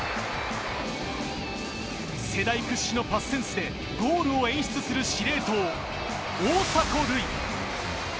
世代屈指のパスセンスでゴールを演出する司令塔・大迫塁。